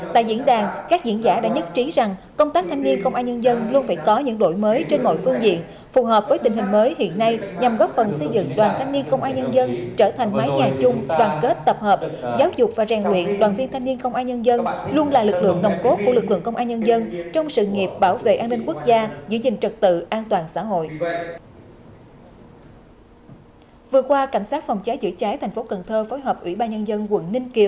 tại diễn đàn các diễn giả đã nhất trí rằng công tác thanh niên công an nhân dân luôn phải có những đội mới trên mọi phương diện phù hợp với tình hình mới hiện nay nhằm góp phần xây dựng đoàn thanh niên công an nhân dân trở thành mái nhà chung đoàn kết tập hợp giáo dục và rèn luyện đoàn viên thanh niên công an nhân dân luôn là lực lượng nồng cốt của lực lượng công an nhân dân trong sự nghiệp bảo vệ an ninh quốc gia giữ gìn trật tự an toàn xã hội